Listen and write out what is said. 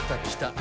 あ